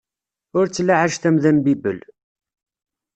Ur ttlaɛej tamda n bibel.